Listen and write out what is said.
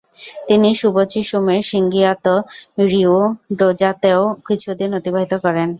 তিনি সুবোচি শুমের শিঙ্গিয়োতো রিয়ু ডোজোতেও কিছু দিন অতিবাহিত করেন।